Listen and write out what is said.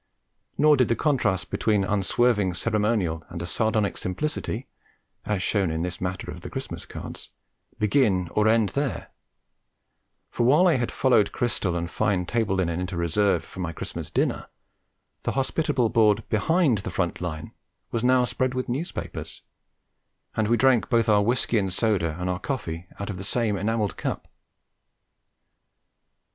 Nor did the contrast between unswerving ceremonial and a sardonic simplicity, as shown in this matter of the Christmas cards, begin or end there; for while I had followed crystal and fine table linen into reserve for my Christmas dinner, the hospitable board behind the front line was now spread with newspapers, and we drank both our whisky and soda and our coffee out of the same enamelled cup.